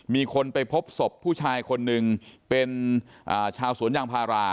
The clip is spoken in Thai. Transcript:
มีคนไปพบศพผู้ชายคนหนึ่งเป็นชาวสวนยางพารา